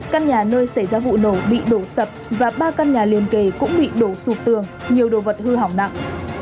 căn nhà nơi xảy ra vụ nổ bị đổ sập và ba căn nhà liên kề cũng bị đổ sụp tường nhiều đồ vật hư hỏng nặng